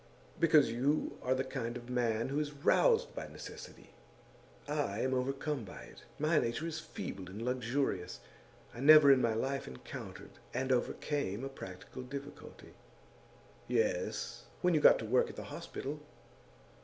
'Because you are the kind of man who is roused by necessity. I am overcome by it. My nature is feeble and luxurious. I never in my life encountered and overcame a practical difficulty.' 'Yes; when you got the work at the hospital.